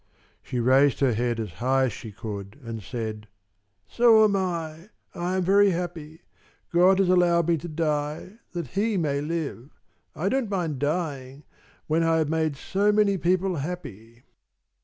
She raised her head as high as she could and said: "So am I I am very happy. God has allowed me to die that he may live. I don't mind dying when I have made so many people happy."